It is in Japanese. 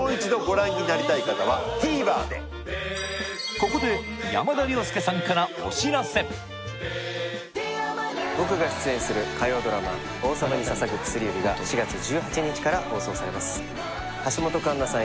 ここで僕が出演する火曜ドラマ「王様に捧ぐ薬指」が４月１８日から放送されます橋本環奈さん